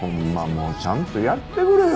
もうちゃんとやってくれよ。